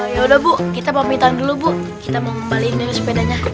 ya udah bu kita mau minta anggaran dulu bu kita mau kembaliin dulu sepedanya